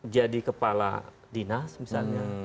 jadi kepala dinas misalnya